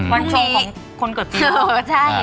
วันชงของคนเกิดปีวอก